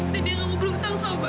dan dia nggak mau berhutang sama bapak